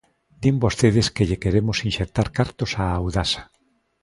Din vostedes que lle queremos inxectar cartos a Audasa.